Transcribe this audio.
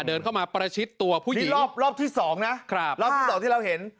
เดินเข้ามาประชิดตัวผู้หญิงรอบรอบที่สองนะครับรอบที่สองที่เราเห็น